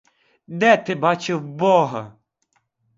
Де ти бачив бога?